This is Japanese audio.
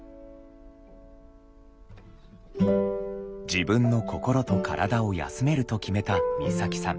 「自分の心と体を休める」と決めた光沙季さん。